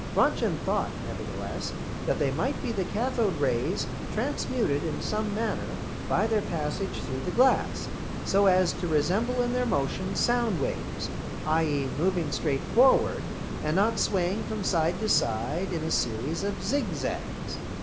Röntgen thought, nevertheless, that they might be the cathode rays transmuted in some manner by their passage through the glass, so as to resemble in their motion sound waves, i.e. moving straight forward and not swaying from side to side in a series of zig zags.